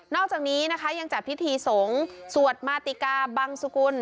อกจากนี้นะคะยังจัดพิธีสงฆ์สวดมาติกาบังสุกุล